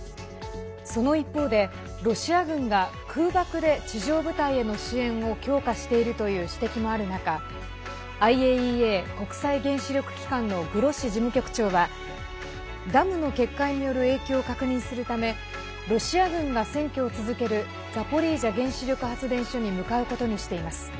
その一方でロシア軍が空爆で地上部隊への支援を強化しているという指摘もある中ＩＡＥＡ＝国際原子力機関のグロッシ事務局長はダムの決壊による影響を確認するためロシア軍が占拠を続けるザポリージャ原子力発電所に向かうことにしています。